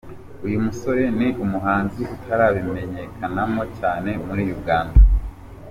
Uyu musore ni umuhanzi utarabimenyekanamo cyane muri Uganda.